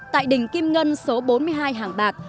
tại đình kim ngân số bốn mươi hai hàng bạc